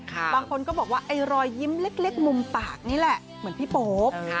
บางคนก็บอกว่าไอ้รอยยิ้มเล็กมุมปากนี่แหละเหมือนพี่โป๊ป